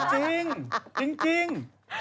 จริง